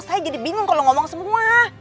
saya jadi bingung kalau ngomong semua